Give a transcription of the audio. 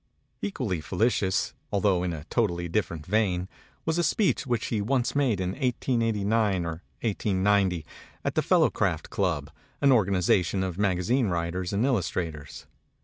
Equally felicitous although in a totally dif ferent vein was a speech which he once made 274 MEMORIES OF MARK TWAIN in 1889 or 1890, at the Fellowcraft Club, an organization of magazine writers and illustrators.